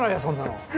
そんなの。